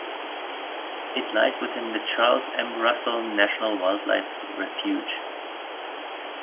It lies within the Charles M. Russell National Wildlife Refuge.